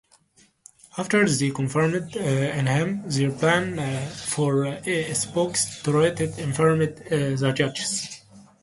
After they confided in him their plan for escape, Trott informed the judges.